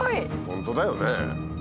本当だよね。